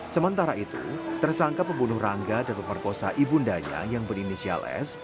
sementara itu tersangka pembunuh rangga dan pemerkosa ibu undanya yang berinisial s